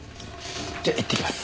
じゃあいってきます。